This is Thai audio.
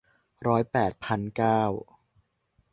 ร้อยแปดพันเก้า